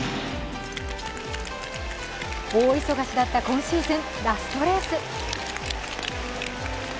大忙しだった今シーズンラストレース。